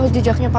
bipedas luar biasa